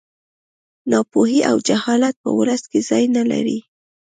ناپوهي او جهالت په ولس کې ځای نه لري